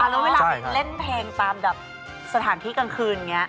แล้วเวลาไปเล่นเพลงตามแบบสถานที่กลางคืนอย่างนี้